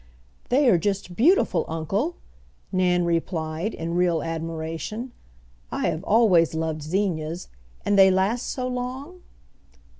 "They are just beautiful, uncle," Nan replied, in real admiration. "I have always loved zinnias. And they last so long?"